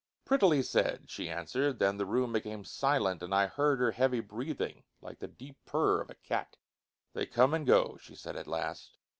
"Prettily said," she answered. Then the room became silent, and I heard her heavy breathing, like the deep purr of a cat. "They come and go," she said at last.